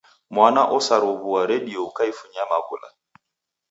Mwana osaraw'ua redio ukaifunya maw'ula!